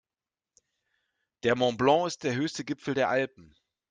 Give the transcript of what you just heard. Der Mont Blanc ist der höchste Gipfel der Alpen.